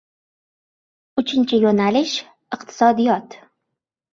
Uchinchi yo‘nalish- iqtisodiyot